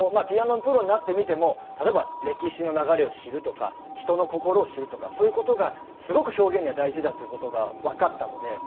ピアノのプロになってみても例えば歴史の流れを知るとか人の心を知るとかそういう事がすごく表現には大事だっていう事がわかったので。